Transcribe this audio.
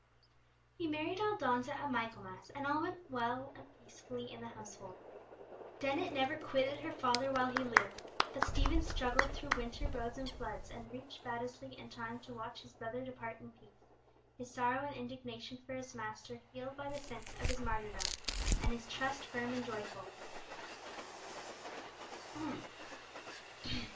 He married Aldonza at Michaelmas, and all went well and peacefully in the household. Dennet never quitted her father while he lived; but Stephen struggled through winter roads and floods, and reached Baddesley in time to watch his brother depart in peace, his sorrow and indignation for his master healed by the sense of his martyrdom, and his trust firm and joyful.